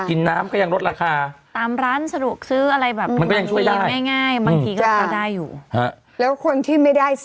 กินน้ำก็ยังลดราคา